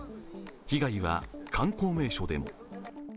被害は観光名所でも。